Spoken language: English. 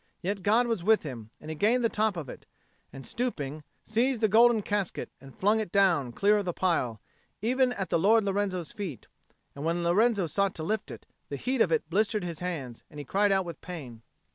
Yet God was with him, and he gained the top of it, and, stooping, seized the golden casket and flung it down, clear of the pile, even at the Lord Lorenzo's feet; and when Lorenzo sought to lift it, the heat of it blistered his hands, and he cried out with pain.